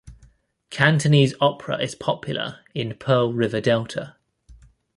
Cantonese opera is popular in Pearl River Delta.